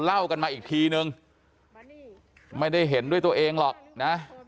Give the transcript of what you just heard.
เล่ากันมาอีกทีนึงไม่ได้เห็นด้วยตัวเองหรอกนะ